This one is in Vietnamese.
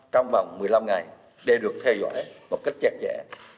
trong vòng một mươi năm ngày để được theo dõi một cách chặt chẽ